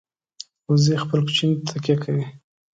وزې خپل کوچني ته تکیه کوي